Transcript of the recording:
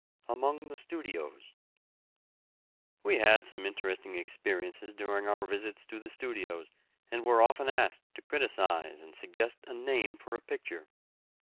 AMONG THE STUDIOS. We had some interesting experiences during our visits to the studios, and were often asked to criticise and suggest a name for a picture.